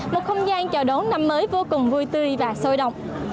một không gian chờ đón năm mới vô cùng vui tươi và sôi động